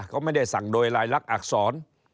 เขาไม่ได้สั่งโดยรายลักษณอักษร